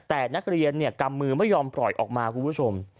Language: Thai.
แต่นักเรียนกำมือไม่ยอมปล่อยออกมาคุณผู้ชม